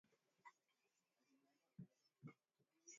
Ugonjwa wa miguu na midomo huenezwa kwa kugusana na wanyama walioambukizwa